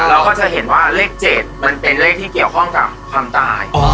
เราก็จะเห็นว่าเลข๗มันเป็นเลขที่เกี่ยวข้องกับความตาย